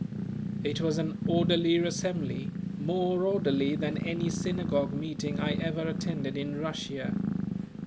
It was an orderly assembly, more orderly than any synagogue meeting I ever attended in Russia.